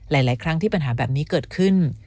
หลายครั้งที่ปัญหาแบบนี้เกิดขึ้น